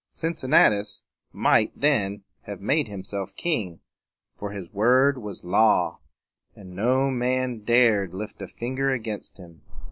Cincinnatus might then have made himself king; for his word was law, and no man dared lift a finger against him.